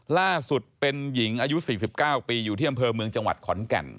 ล่าสุดเป็นหญิงอายุ๔๙ปีอยู่ที่อำเภอเมืองจังหวัดขอนแก่น